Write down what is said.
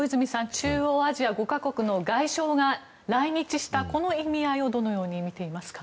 中央アジア５か国の外相が来日したこの意味合いをどのようにみていますか。